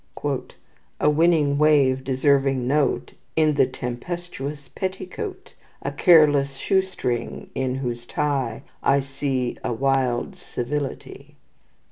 "A winning wave, deserving note, In the tempestuous petticoat; A careless shoe string, in whose tie I see a wild civility."